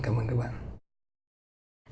vâng cảm ơn các bạn